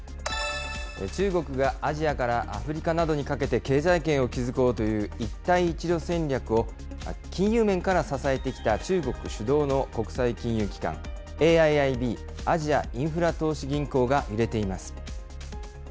中国がアジアからアフリカなどにかけて経済圏を築こうという一帯一路戦略を、金融面から支えてきた中国主導の国際金融機関、ＡＩＩＢ・アジアインフラ投資銀行が揺れています。